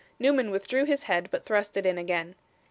Newman withdrew his head, but thrust it in again.